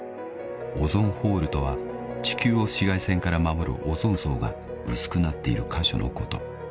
［オゾンホールとは地球を紫外線から守るオゾン層が薄くなっている箇所のこと］